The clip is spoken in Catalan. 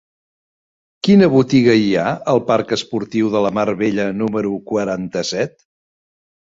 Quina botiga hi ha al parc Esportiu de la Mar Bella número quaranta-set?